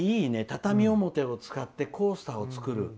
畳表を作ってコースターを作る。